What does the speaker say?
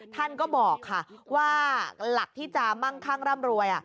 ท่านก็บอกค่ะว่าหลักที่จะมั่งคั่งร่ำรวย